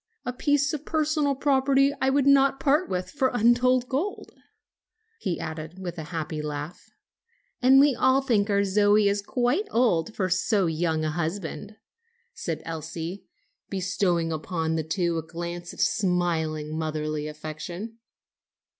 "A piece of personal property I would not part with for untold gold," he added with a happy laugh. "And we all think our Zoe is quite old for so young a husband," said Elsie, bestowing upon the two a glance of smiling, motherly affection.